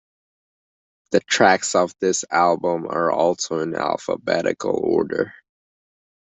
The tracks of this album are also in alphabetical order.